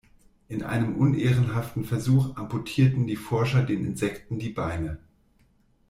In einem unehrenhaften Versuch amputierten die Forscher den Insekten die Beine.